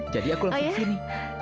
jadi aku langsung sini